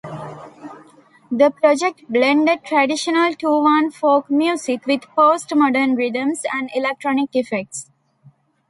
The project blended traditional Tuvan folk music with post-modern rhythms and electronic effects.